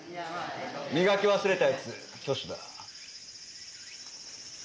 磨き忘れた奴挙手だ。